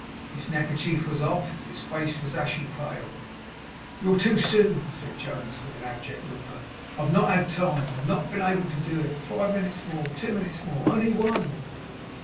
His neckerchief was off; his face was ashy pale. 'You're too soon,' said Jonas, with an abject whimper. 'I've not had time. I have not been able to do it. I five minutes more two minutes more! only one!